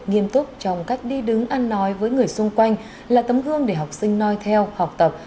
nghiêm túc trong cách đi đứng ăn nói với người xung quanh là tấm gương để học sinh nói theo học tập